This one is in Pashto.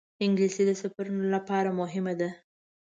انګلیسي د سفرونو لپاره مهمه ده